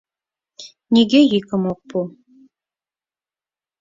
Нигӧ йӱкым ок пу.